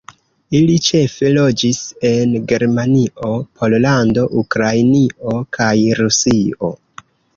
Ili ĉefe loĝis en Germanio, Pollando, Ukrainio kaj Rusio.